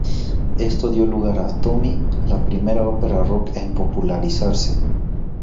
Esto dio lugar a "Tommy", la primera ópera rock en popularizarse.